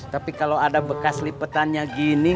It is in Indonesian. tapi kalo ada bekas lipatannya gini